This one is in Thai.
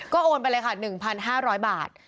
ก็โอนไปเลยค่ะ๑๕๐๐บาท